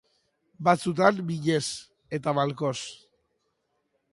Batzutan, minez, eta malkoz.